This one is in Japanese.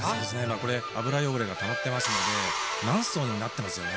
これ油汚れがたまってますので何層にもなってますよね